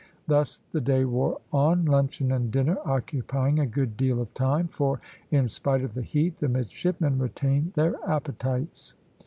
Thus the day wore on luncheon and dinner occupying a good deal of time, for, in spite of the heat, the midshipmen retained their appetites.